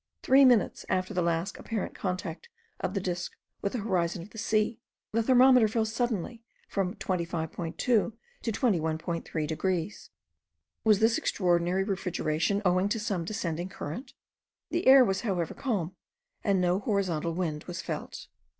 Three minutes after the last apparent contact of the disk with the horizon of the sea, the thermometer suddenly fell from 25.2 to 21.3 degrees. Was this extraordinary refrigeration owing to some descending current? The air was however calm, and no horizontal wind was felt.